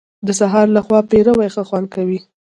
د سهار له خوا پېروی ښه خوند کوي .